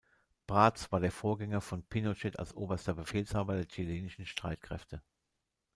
Prats war der Vorgänger von Pinochet als Oberster Befehlshaber der chilenischen Streitkräfte.